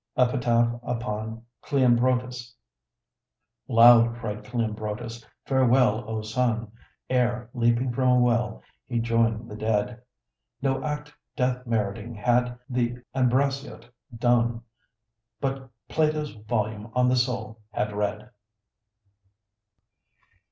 EPITAPH UPON CLEOMBROTUS Loud cried Cleombrotus, "Farewell, O Sun!" Ere, leaping from a wall, he joined the dead. No act death meriting had th' Ambraciote done, But Plato's volume on the soul had read.